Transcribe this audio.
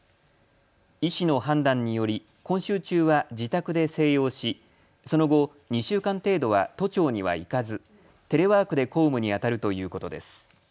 医師の判断により今週中は自宅で静養しその後、２週間程度は都庁には行かずテレワークで公務にあたるということです。